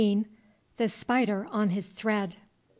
THE SPIDER ON HIS THREAD.